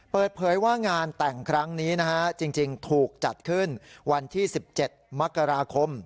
เปิดเผยว่างานแต่งครั้งนี้นะฮะจริงถูกจัดขึ้นวันที่๑๗มกราคม